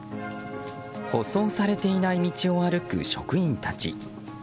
舗装されていない道を歩く職員たち。